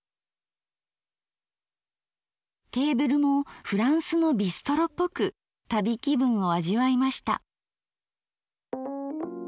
テーブルもフランスのビストロっぽく旅気分を味わいました。